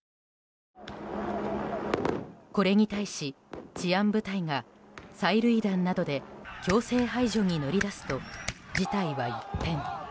これに対し治安部隊が催涙弾などで強制排除に乗り出すと事態は一変。